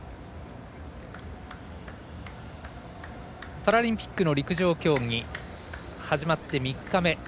パラリンピックの陸上競技始まって３日目。